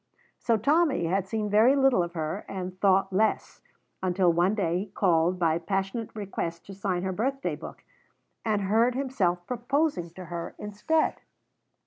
So Tommy had seen very little of her, and thought less, until one day he called by passionate request to sign her birthday book, and heard himself proposing to her instead!